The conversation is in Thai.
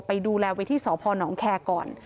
ไปดูแลไว้ที่สพนแคร์ก่อน